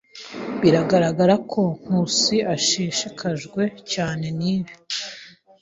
Biragaragara ko Nkusi yumva ashishikajwe cyane nibi.